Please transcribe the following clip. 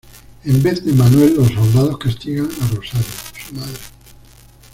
En vez de Manuel, los soldados castigan a Rosario, su madre.